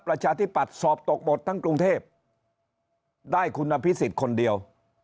ประชาธิปัตย์สอบตกหมดทั้งกรุงเทพได้คุณอภิษฎคนเดียว